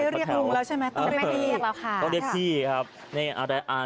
ไม่ต้องเรียกลุงแล้วใช่ไหมต้องเรียกพี่